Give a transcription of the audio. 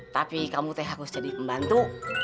tapi kamu teh harus jadi pembantu